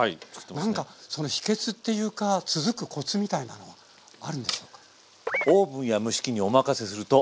なんかその秘けつっていうか続くコツみたいなのはあるんでしょうか。